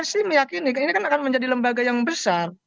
saya meyakini ini kan akan menjadi lembaga yang besar